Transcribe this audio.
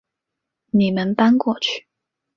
你们搬过去